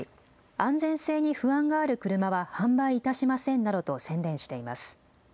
安全性に不安がある車は販売いたしませんなどと宣伝しています。